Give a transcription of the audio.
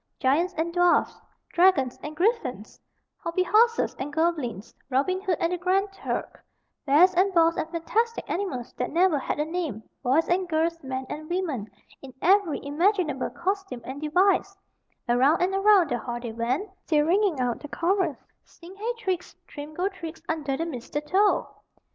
Giants and dwarfs, dragons and griffins, hobby horses and goblins, Robin Hood and the Grand Turk, bears and boars and fantastic animals that never had a name, boys and girls, men and women, in every imaginable costume and device around and around the hall they went, still ringing out the chorus: "Sing hey trix, trim go trix, Under the mistletoe!"